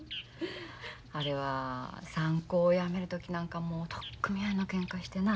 あれは三高やめる時なんかもう取っ組み合いのけんかしてな。